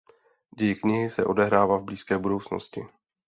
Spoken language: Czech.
Děj knihy se odehrává v blízké budoucnosti.